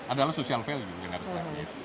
adalah social value yang harus kita kaitkan